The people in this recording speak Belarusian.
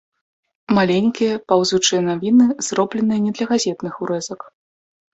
Маленькія, паўзучыя навіны, зробленыя не для газетных урэзак.